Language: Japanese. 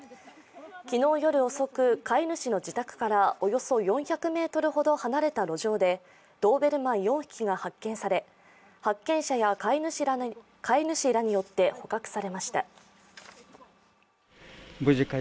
昨日夜遅く、飼い主の自宅から、およそ４００ｍ離れた路上でドーベルマン４匹が発見され発見者や飼い主らによって捕獲されました。